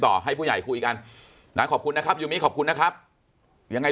ให้ผู้ใหญ่คุยกันนะขอบคุณนะครับยูมิขอบคุณนะครับยังไง